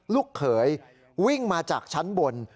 ลูกเขยวิ่งมาจากชั้นบน